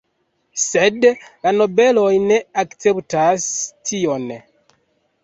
Sed la nobeloj ne akceptas tion.